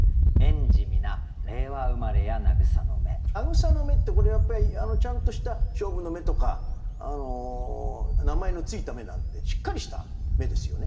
「名草の芽」ってこれやっぱりちゃんとしたしょうぶの芽とか名前の付いた芽なんでしっかりした芽ですよね。